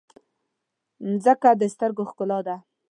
مځکه د سترګو ښکلا ده.